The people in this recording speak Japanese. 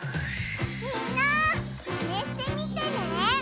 みんなマネしてみてね！